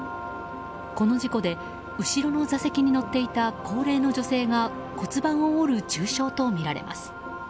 この事故で後ろの座席に乗っていた高齢の女性が骨盤を折る重傷とみられます。